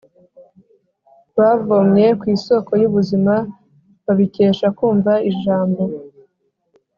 bavomye ku isoko y’ubuzima babikesha kumva ijambo